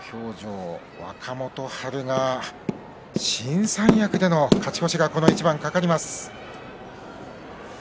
若元春、玉鷲若元春は新三役での勝ち越しがこの一番、懸かります。